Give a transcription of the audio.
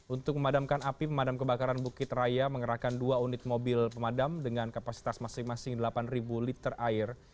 untuk memadamkan api pemadam kebakaran bukit raya mengerahkan dua unit mobil pemadam dengan kapasitas masing masing delapan liter air